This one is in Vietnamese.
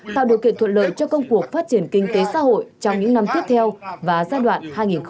tạo điều kiện thuận lợi cho công cuộc phát triển kinh tế xã hội trong những năm tiếp theo và giai đoạn hai nghìn hai mươi một hai nghìn ba mươi